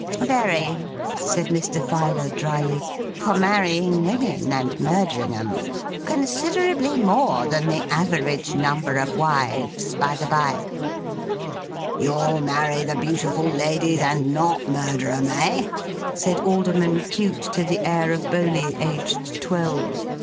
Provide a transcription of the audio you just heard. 'Very,' said Mr. Filer, dryly. 'For marrying women and murdering 'em. Considerably more than the average number of wives by the bye.' 'You'll marry the beautiful ladies, and not murder 'em, eh?' said Alderman Cute to the heir of Bowley, aged twelve.